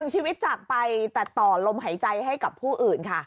ชีวิตจากไปแต่ต่อลมหายใจให้กับผู้อื่นค่ะ